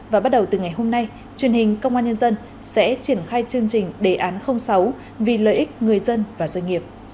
và bắt đầu từ ngày hôm nay truyền hình công an nhân dân sẽ triển khai chương trình đề án sáu vì lợi ích người dân và doanh nghiệp